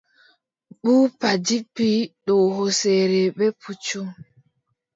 Buuba jippi dow hooseere bee puccu.